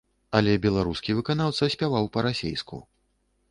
Але беларускі выканаўца спяваў па-расейску.